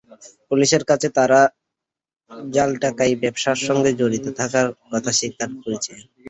পুলিশের কাছে তাঁরা জাল টাকার ব্যবসার সঙ্গে জড়িত থাকার কথা স্বীকার করেছেন।